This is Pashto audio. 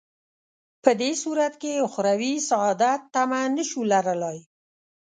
په دې صورت کې اخروي سعادت تمه نه شو لرلای.